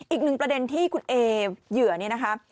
อีกหนึ่งประเด็นที่คุณเอเหยื่อเนี่ยนะคะ